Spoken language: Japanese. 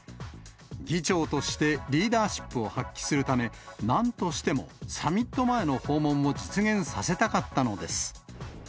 議長としてリーダーシップを発揮するため、なんとしてもサミット前の訪問を実現させたかったのです。